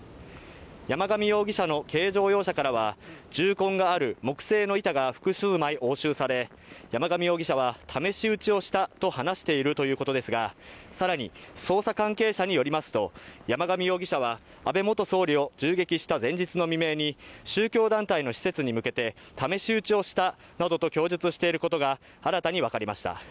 山上容疑者の軽乗用車からは銃痕がある木製の板が複数枚押収され山上容疑者は試し撃ちをしたと話しているということですがさらに捜査関係者によりますと山上容疑者は安倍元総理を銃撃した前日の未明に宗教団体の施設に向けて試し撃ちをしたなどと供述していることが新たに分かりました